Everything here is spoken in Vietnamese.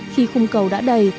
khi khung cầu đã đầy